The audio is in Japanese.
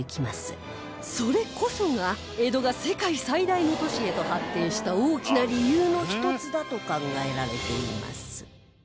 それこそが江戸が世界最大の都市へと発展した大きな理由の１つだと考えられています